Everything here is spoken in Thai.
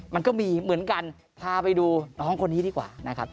มันก็มีเหมือนกันพาไปดูน้องคนนี้ดีกว่านะครับ